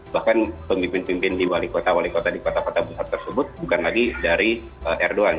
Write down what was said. bahkan pemimpin pemimpin di wali kota wali kota di kota kota besar tersebut bukan lagi dari erdogan